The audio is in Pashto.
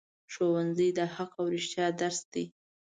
ښوونځی د حق او رښتیا درس دی